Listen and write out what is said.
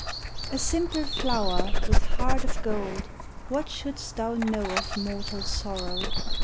A simple flower with heart of gold, What should'st thou know of mortal sorrow?